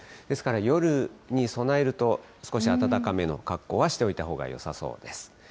ですから、夜に備えると、少し暖かめの格好はしておいたほうがよさそうです。